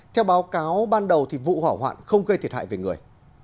theo báo cáo ban đầu vụ hỏa hoạn không gây thiệt hại về người